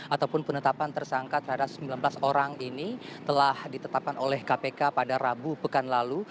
ataupun penetapan tersangka terhadap sembilan belas orang ini telah ditetapkan oleh kpk pada rabu pekan lalu